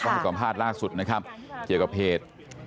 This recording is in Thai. ก็มีความพลาดล่าสุดนะครับเกี่ยวกับเหตุ